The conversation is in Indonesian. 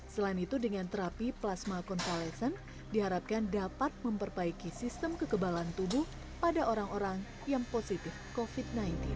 selain itu dengan terapi plasma convalesen diharapkan dapat memperbaiki sistem kekebalan tubuh pada orang orang yang positif covid sembilan belas